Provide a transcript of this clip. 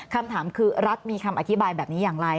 คำถามคือรัฐมีคำอธิบายแบบนี้อย่างไร